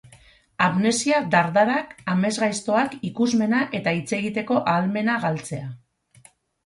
Amnesia, dardarak, amesgaiztoak, ikusmena eta hitz egiteko ahalmena galtzea...